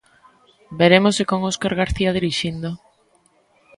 Veremos se con Óscar García dirixindo.